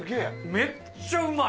めっちゃうまい。